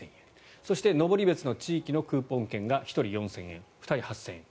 そして登別の地域のクーポン券が１人４０００円２人８０００円。